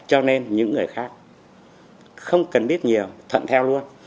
cho nên những người khác không cần biết nhiều thuận theo luôn